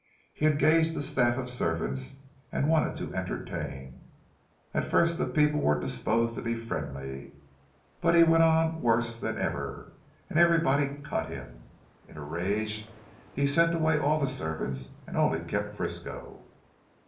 He engaged a staff of servants, and wanted to entertain. At first the people were disposed to be friendly, but he went on worse than ever, and everybody cut him. In a rage he sent away all the servants and only kept Frisco."